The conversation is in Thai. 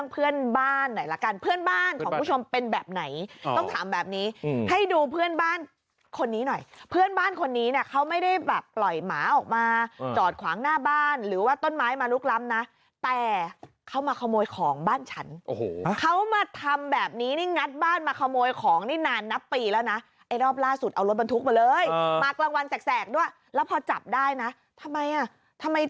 เพื่อนบ้านหน่อยละกันเพื่อนบ้านของคุณผู้ชมเป็นแบบไหนต้องถามแบบนี้ให้ดูเพื่อนบ้านคนนี้หน่อยเพื่อนบ้านคนนี้เนี่ยเขาไม่ได้แบบปล่อยหมาออกมาจอดขวางหน้าบ้านหรือว่าต้นไม้มาลุกล้ำนะแต่เขามาขโมยของบ้านฉันโอ้โหเขามาทำแบบนี้นี่งัดบ้านมาขโมยของนี่นานนับปีแล้วนะไอ้รอบล่าสุดเอารถบรรทุกมาเลยมากลางวันแสกด้วยแล้วพอจับได้นะทำไมอ่ะทำไม